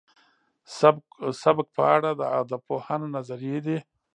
سبک په اړه د ادبپوهانو نظريې دي.